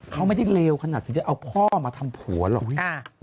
เขาไม่ได้เลวขนาดถึงจะเอาพ่อมาทำผัวหรอกพี่